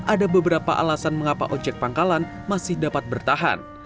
ada beberapa alasan mengapa ojek pangkalan masih dapat bertahan